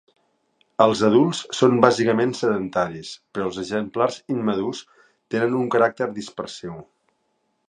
Els adults són bàsicament sedentaris, però els exemplars immadurs tenen un caràcter dispersiu.